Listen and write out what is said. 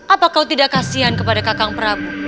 apa kau tidak kasian kepada kakang prabu